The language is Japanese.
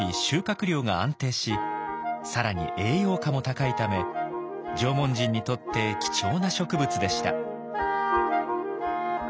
更に栄養価も高いため縄文人にとって貴重な植物でした。